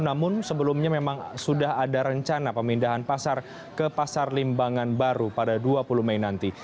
namun sebelumnya memang sudah ada rencana pemindahan pasar ke pasar limbangan baru pada dua puluh mei nanti